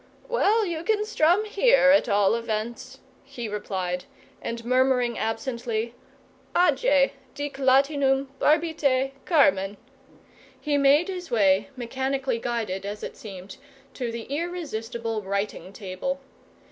"Well, you can strum here, at all events," he replied; and murmuring absently, Age, dic Latinum, barbite, carmen, he made his way, mechanically guided as it seemed, to the irresistible writing able.